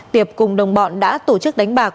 tiệp cùng đồng bọn đã tổ chức đánh bạc